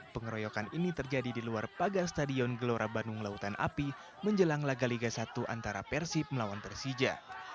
pengeroyokan ini terjadi di luar paga stadion gelora bandung lautan api menjelang laga liga satu antara persib melawan persija